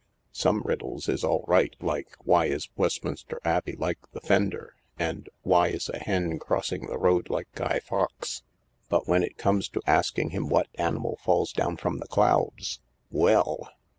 "Some riddles is all right, like 'Why is Westminster Abbey like the fender ?' and ' Why is a hen crossing the road like Guy Fox ?' But when it comes to asking him what animal falls down from the clouds— well